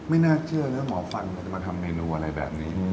ไม่น่าเชื่อนะหมอฟันเขาจะมาทำเมนูอะไรแบบนี้